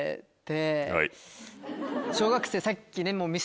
小学生さっきね。